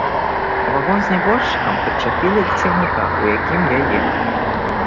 Вагон з нябожчыкам прычапілі да цягніка, у якім я ехаў.